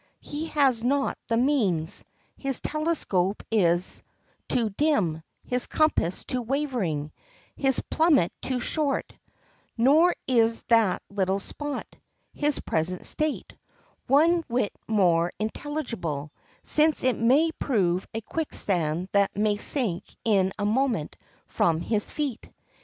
he has not the means; his telescope is too dim, his compass too wavering, his plummet too short; nor is that little spot, his present state, one whit more intelligible, since it may prove a quicksand that may sink in a moment from his feet.